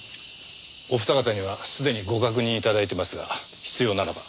お二方にはすでにご確認頂いていますが必要ならば。